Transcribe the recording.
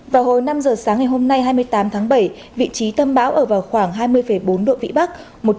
vào hồi năm giờ sáng ngày hôm nay hai mươi tám tháng bảy vị trí tâm bão ở vào khoảng hai mươi bốn độ vĩ bắc